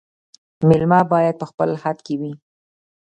مېلمه باید په خپل حد کي وي